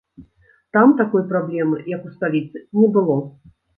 Там такой праблемы, як у сталіцы, не было.